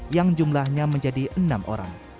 yang jumlahnya menjadi enam orang